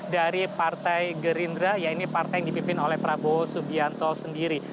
dari partai gerindra ya ini partai yang dipimpin oleh prabowo subianto sendiri